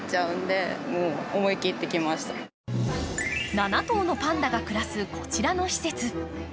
７頭のパンダが暮らすこちらの施設。